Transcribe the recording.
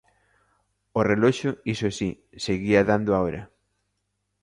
O reloxo, iso si, seguía dando a hora.